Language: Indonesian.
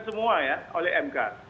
semua ya oleh mk